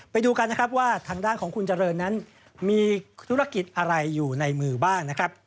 ไปดูกันนะครับว่าทางด้านของคุณเจริญนั้นมีธุรกิจอะไรอยู่ในมือบ้างนะครับ